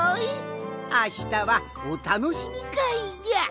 あしたはおたのしみかいじゃ。